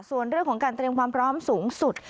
ส่วนเรื่องของการเตรียมความพร้อมสูงสุด